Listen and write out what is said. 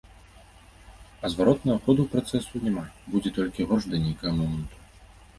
А зваротнага ходу ў працэсу няма, будзе толькі горш да нейкага моманту.